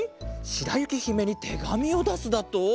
しらゆきひめにてがみをだすだと？